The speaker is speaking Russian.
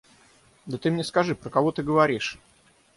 Да ты мне скажи, про кого ты говоришь?